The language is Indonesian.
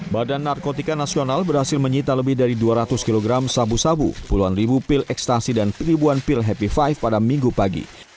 badan narkotika nasional berhasil menyita lebih dari dua ratus kg sabu sabu puluhan ribu pil ekstasi dan ribuan pil happy five pada minggu pagi